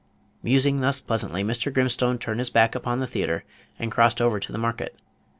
Musing thus pleasantly, Mr. Grimstone turned his back upon the theatre, and crossed over to the market.